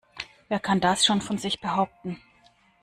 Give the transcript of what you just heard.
Wer kann das schon von sich behaupten?